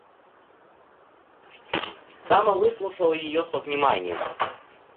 Дама выслушала ее со вниманием.